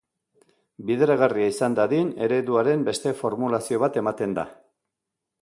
Bideragarria izan dadin, ereduaren beste formulazio bat ematen da.